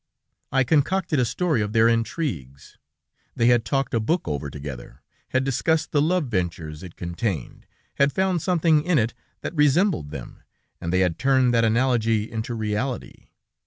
I concocted a story of their intrigues. They had talked a book over together, had discussed the love ventures it contained, had found something in it that resembled them, and they had turned that analogy into reality.